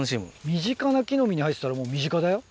『身近な木の実』に入ってたらもう身近だよ。